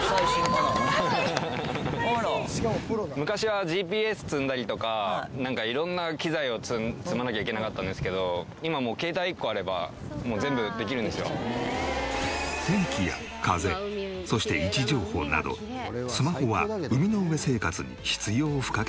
昔はＧＰＳ積んだりとかなんか色んな機材を積まなきゃいけなかったんですけど今もう天気や風そして位置情報などスマホは海の上生活に必要不可欠。